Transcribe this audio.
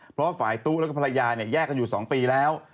เพราะว่าฝ่ายตุ๊แล้วก็ภรรยายเนี่ยแยกกันอยู่๒ปีแล้ว